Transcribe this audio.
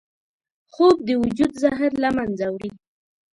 خوب د وجود زهر له منځه وړي